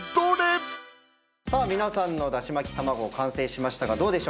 さあ皆さんのだし巻き玉子完成しましたがどうでしょう？